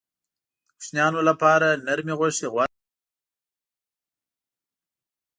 د کوچنیانو لپاره نرمې غوښې غوره ګڼل کېږي.